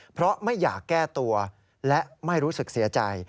เพราะไม่อยากแก้ตัวและไม่รู้สึกเสียใจ